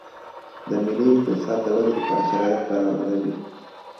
د ملي اقتصاد د ودې لپاره شرایط برابروي